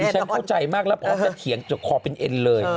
ฉันเข้าใจมากแล้วพร้อมจะเถียงจากคอเป็นเอ็นเลย